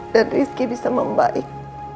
dan rizky bisa membaik